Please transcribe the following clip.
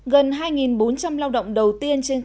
gần hai bốn trăm linh lao động đầu tiên trên cả nước